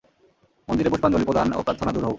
মন্দিরে পুষ্পাঞ্জলি প্রদান ও প্রার্থনা দূর হউক।